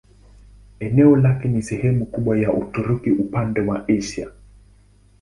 Eneo lake ni sehemu kubwa ya Uturuki upande wa Asia.